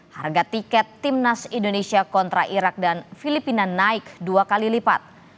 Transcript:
harga tiket timnas indonesia kontra irak dan filipina naik dua kali lipat